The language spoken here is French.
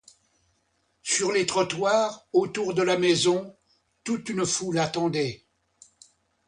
Sur les trottoirs, autour de la maison, toute une foule attendait.